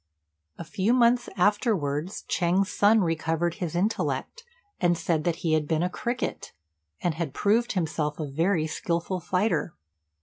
A few months afterwards Ch'êng's son recovered his intellect, and said that he had been a cricket, and had proved himself a very skilful fighter.